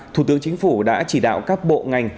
thủ tướng chính phủ đã chỉ đạo các bộ ngành